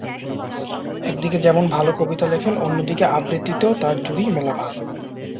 একদিকে যেমন ভালো কবিতা লেখেন অন্যদিকে আবৃত্তিতেও তাঁর জুড়ি মেলা ভার।